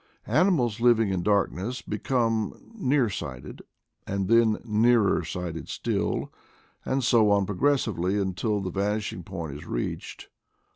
Animals living in darkness become near sighted, and then nearer sighted still, and so on progressively until the vanishing point is reached.